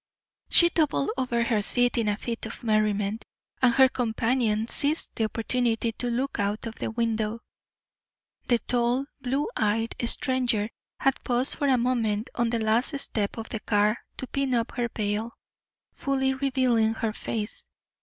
She doubled over the seat in a fit of merriment, and her companion seized the opportunity to look out of the window. The tall, blue eyed stranger had paused for a moment on the last step of the car to pin up her veil, fully revealing her face.